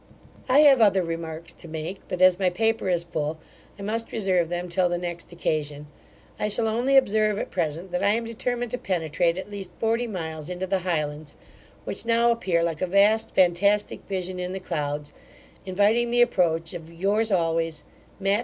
I have other remarks to make; but as my paper is full, I must reserve them till the next occasion. I shall only observe at present, that I am determined to penetrate at least forty miles into the Highlands, which now appear like a vast fantastic vision in the clouds, inviting the approach of Yours always, MATT.